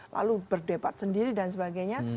lalu berdebat sendiri dan sebagainya